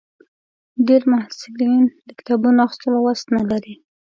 ډېری محصلین د کتابونو اخیستو وس نه لري.